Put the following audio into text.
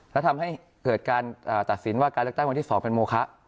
และทำให้เกิดการตัดสินว่าการเลือกตั้งวันที่๒เป็นโมคะ